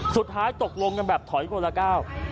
สุดท้ายตกลงกันแบบถอยคนละก้าว